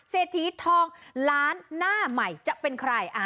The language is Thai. เศรษฐีทองล้านหน้าใหม่จะเป็นใคร